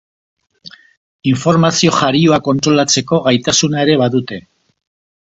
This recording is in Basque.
Informazio jarioa kontrolatzeko gaitasuna ere badute.